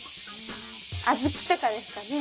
小豆とかですかね？